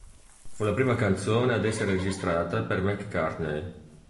Fu la prima canzone ad essere registrata per "McCartney".